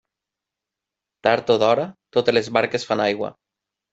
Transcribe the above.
Tard o d'hora, totes les barques fan aigua.